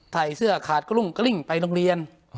ไถเสื้อขาดกรุงกริ่งไปโรงเรียน